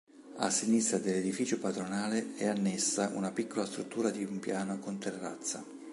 A sinistra dell'edificio padronale è annessa una piccola struttura di un piano con terrazza.